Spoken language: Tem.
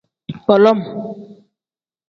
Bolom.